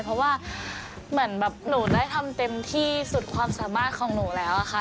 เพราะว่าเหมือนแบบหนูได้ทำเต็มที่สุดความสามารถของหนูแล้วอะค่ะ